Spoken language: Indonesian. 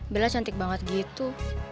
bella cantik banget gitu